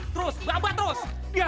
terus lelah terus